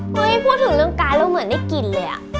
เฮ้ยพูดถึงเรื่องก๊าซแล้วเหมือนได้กินเลยอ่ะ